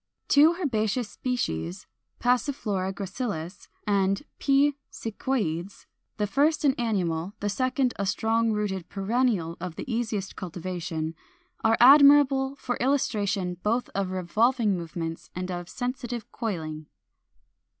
Two herbaceous species, Passiflora gracilis and P. sicyoides (the first an annual, the second a strong rooted perennial of the easiest cultivation), are admirable for illustration both of revolving movements and of sensitive coiling.